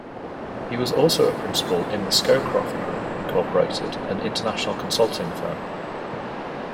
He was also a principal in The Scowcroft Group, Incorporated an international consulting firm.